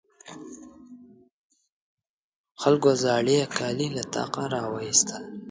خلکو زاړې کالي له طاقه راواېستل.